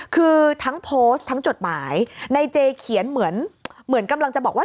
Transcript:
คือทั้งโพสต์ทั้งจดหมายในเจเขียนเหมือนเหมือนกำลังจะบอกว่า